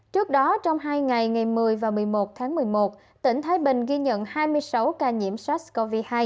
trước đó trong hai ngày ngày một mươi và một mươi một tháng một mươi một tỉnh thái bình ghi nhận hai mươi sáu ca nhiễm sars cov hai